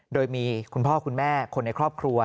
โดยมีคุณพ่อคุณแม่คนในครอบครัว